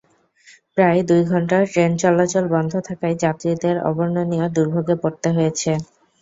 প্রায় দুই ঘণ্টা ট্রেন চলাচল বন্ধ থাকায় যাত্রীদের অবর্ণনীয় দুর্ভোগে পড়তে হয়েছে।